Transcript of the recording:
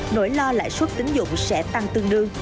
nỗi lo lãi suất tính dụng sẽ tăng tương đương